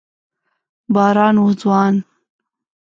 باران و ځوان